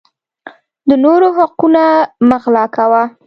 د نورو حقونه مه غلاء کوه